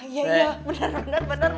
iya bener bener mami lupa mami